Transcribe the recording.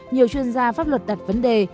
nhiều chuyên gia pháp luật đặt vấn đề